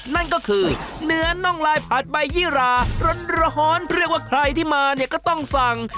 นั่นก็คือเนื้อน่องลายผัดใบยี่ราร้อนเรียกว่าใครที่มาเนี่ยก็ต้องสั่ง